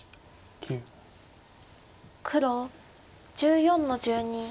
黒１４の十二。